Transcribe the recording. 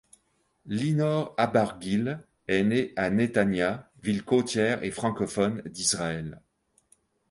Linor Abargil est née à Netanya, ville côtière et francophone d'israël.